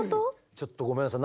ちょっとごめんなさい。